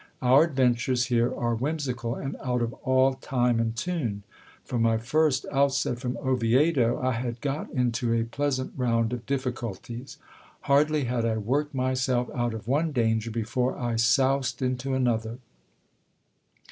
Our adventures here are whimsical, and out of all time and tune. From my first outset from Oviedo, I had got into a pleas ant round of difficulties ; hardly had I worked myself out of one danger, before I soused into another.